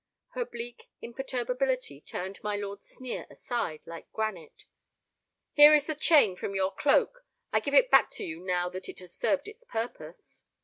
Her bleak imperturbability turned my lord's sneer aside like granite. "Here is the chain from your cloak. I give it back to you now that it has served its purpose."